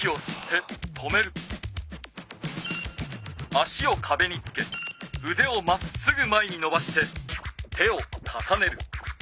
足をかべにつけうでをまっすぐ前にのばして手を重ねる。